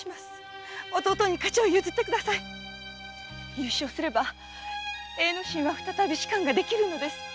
優勝すれば栄之進は再び仕官ができるのです。